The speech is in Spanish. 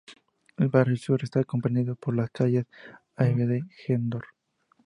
El Barrio Sur está comprendido por las calles Av.Gdor.